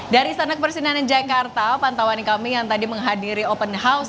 dari sanak persinangan jakarta pantauan kami yang tadi menghadiri open house